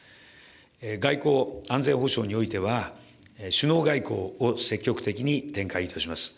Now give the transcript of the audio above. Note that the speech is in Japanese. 外交・安全保障においては、首脳外交を積極的に展開いたします。